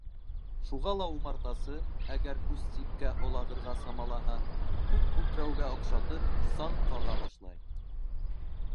Шуға ла умартасы, әгәр күс ситкә олағырға самалаһа, күк күкрәүгә оҡшатып, саң ҡаға башлай.